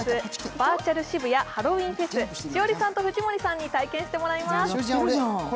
バーチャル渋谷ハロウィーンフェス、栞里さんと藤森さんに体験してもらいます。